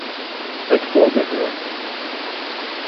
Sektor gehört.